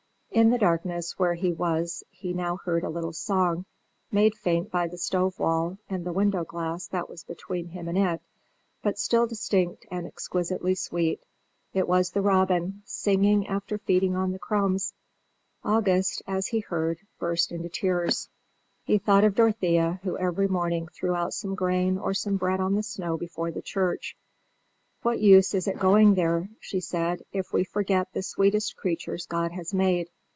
In the darkness where he was he now heard a little song, made faint by the stove wall and the window glass that was between him and it, but still distinct and exquisitely sweet. It was the robin, singing after feeding on the crumbs. August, as he heard, burst into tears. He thought of Dorothea, who every morning threw out some grain or some bread on the snow before the church. "What use is it going there," she said, "if we forget the sweetest creatures God has made?"